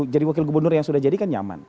jadi wakil gubernur yang sudah jadi kan nyaman